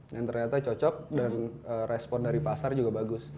yang ternyata cocok dan respon dari pasar juga bagus